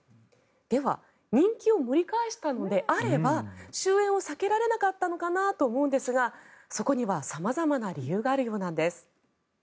では、人気を盛り返したのであれば終演を避けられなかったのかなと思いますがそこには様々な理由があるようなんです。